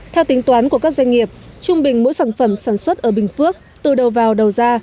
theo tính toán của các doanh nghiệp trung bình mỗi sản phẩm sản xuất ở bình phước từ đầu vào đầu ra